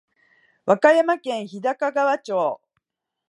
和歌山県日高川町